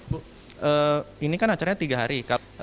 bu ini kan acaranya tiga hari